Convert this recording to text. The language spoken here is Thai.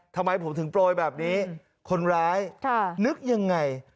ทำไมผมถึงโปรยแบบนี้คนร้ายนึกยังไง